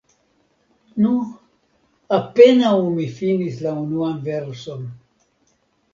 Nu, apenaŭ mi finis la unuan verson.